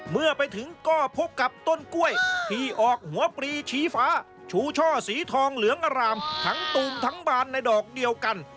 เมื่อไปถึงก็พบกับต้นกล้วยที่ออกหัวปรีชี้ฟ้าชูช่อสีทองเหลืองอร่ามทั้งตูมทั้งบานในดอกเดียวกัน